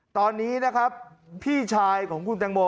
ตอนนี้นะครับพี่ชายของคุณตังโม